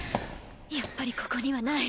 やっぱりここにはない。